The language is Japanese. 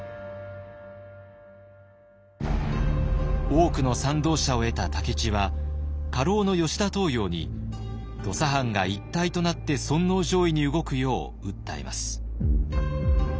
多くの賛同者を得た武市は家老の吉田東洋に土佐藩が一体となって尊皇攘夷に動くよう訴えます。